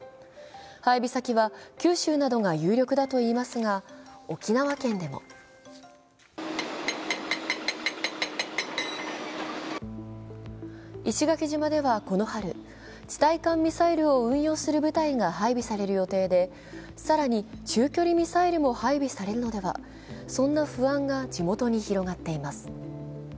配備先は九州などが有力だといいますが、沖縄県でも石垣島ではこの春、地対艦ミサイルを運用する部隊が配備される予定で更に長距離ミサイルも配備されるのでは、そんな不安が地元に広がっています。